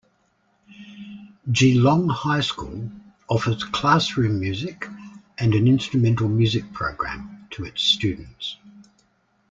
Geelong High School offers Classroom Music and an Instrumental Music program to its students.